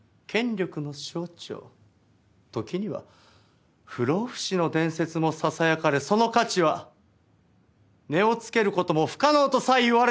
時には不老不死の伝説もささやかれその価値は値をつける事も不可能とさえ言われている聖丼。